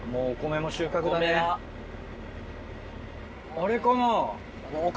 あれかな？